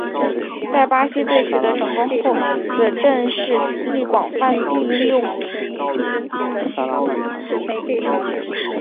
在巴西队取得成功后此阵式亦广泛地应用。